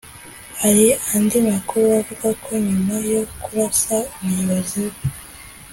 Hari andi makuru avuga ko nyuma yo kurasa umuyobozi we